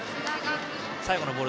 最後のボール